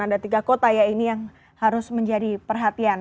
ada tiga kota ya ini yang harus menjadi perhatian